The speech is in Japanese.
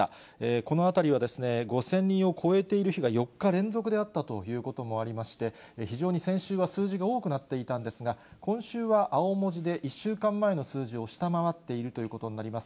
このあたりは５０００人を超えている日が４日連続であったということもありまして、非常に先週は数字が多くなっていたんですが、今週は青文字で、１週間前の数字を下回っているということになります。